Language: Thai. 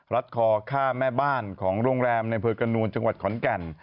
รัดคอฆ่าแม่บ้านของโรงแรมในอำเภอกระนวลจังหวัดขอนแก่น